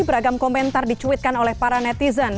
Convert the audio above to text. beragam komentar dicuitkan oleh para netizen